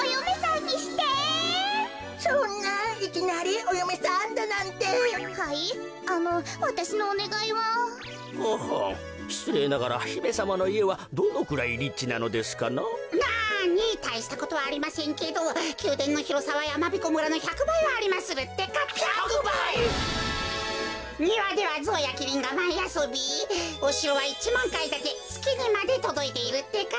にわではゾウやキリンがまいあそびおしろは１まんかいだてつきにまでとどいているってか。